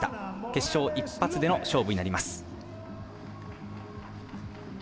決勝一発での勝負になります。